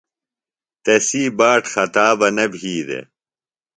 تسی باٹ خطا بہ نہ بھی دےۡ